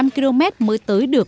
hai năm km mới tới được